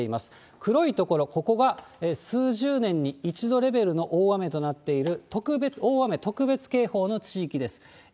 黒い所、ここが数十年に一度レベルの大雨となっている、大雨特別警報の地域です。